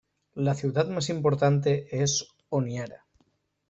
La ciudad más importante es Honiara.